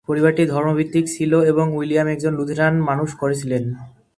পরিবারটি ধর্মভিত্তিক ছিল এবং উইলিয়াম একজন লুথেরান মানুষ করেছিলেন।